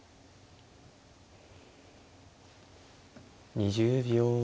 ２０秒。